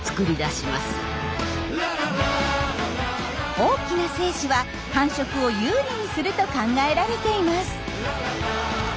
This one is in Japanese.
大きな精子は繁殖を有利にすると考えられています。